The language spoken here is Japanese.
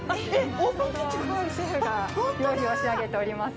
今ちょうどシェフが料理を仕上げております。